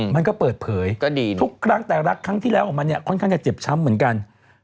มันก็เปิดเผยทุกครั้งแต่รักครั้งที่แล้วของมันเนี่ยค่อนข้างจะเจ็บช้ำเหมือนกัน